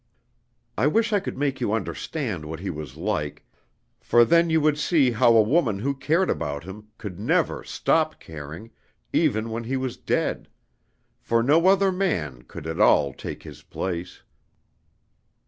I wish I could make you understand what he was like, for then you would see how a woman who cared about him could never stop caring, even when he was dead; for no other man could at all take his place.